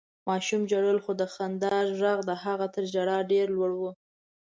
ماشوم ژړل، خو د خندا غږ د هغه تر ژړا ډېر لوړ و.